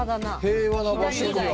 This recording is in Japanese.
平和な場所には。